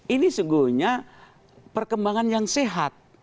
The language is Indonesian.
ini sejujurnya perkembangan yang sehat